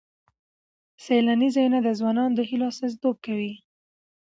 سیلاني ځایونه د ځوانانو د هیلو استازیتوب کوي.